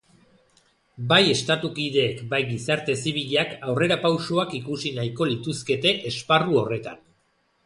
Bai Estatu kideek bai gizarte zibilak aurrerapausoak ikusi nahiko lituzkete esparru horretan